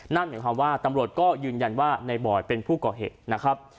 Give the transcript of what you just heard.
นั่นหมายความว่าตำรวจก็ยืนยันว่าในบอยเป็นผู้ก่อเหตุนะครับ